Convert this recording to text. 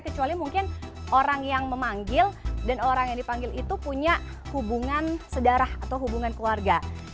kecuali mungkin orang yang memanggil dan orang yang dipanggil itu punya hubungan sedarah atau hubungan keluarga